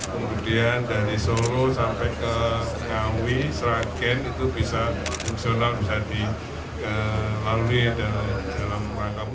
kemudian dari solo sampai ke ngawi sragen itu bisa fungsional bisa dilalui dalam rangka